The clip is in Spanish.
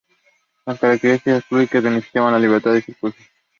las carreteras públicas benefician a la libertad de circulación